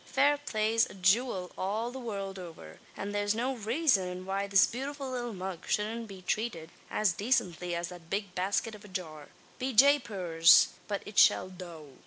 Fair play's a jewil all the world over; and thare's no raison why this bewtiful little mug showldn't be trated as dacently as that big basket av a jar. Be japers! but it shall tho'!"